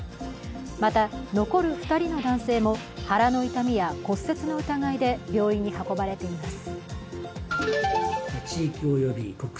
また、残る２人の男性も腹の痛みや骨折の疑いで病院に運ばれています。